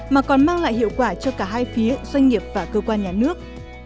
mà còn mang lại hiệu quả cho cả hai phía doanh nghiệp và cơ quan nhà nước